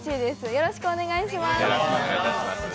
よろしくお願いします。